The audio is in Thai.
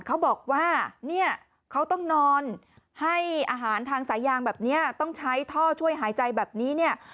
เขาบอกว่าเนี่ยเขาต้องนอนให้อาหารทางสายยางแบบนี้ต้องใช้ท่อช่วยหายใจแบบนี้เนี่ย